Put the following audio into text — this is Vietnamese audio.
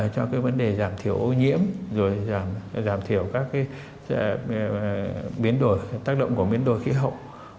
cho cái vấn đề giảm thiểu ô nhiễm rồi giảm thiểu các cái biến đổi tác động của biến đổi khí hậu